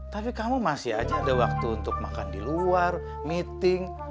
tapi kamu masih aja ada waktu untuk makan di luar meeting